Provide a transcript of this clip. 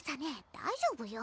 大丈夫よ！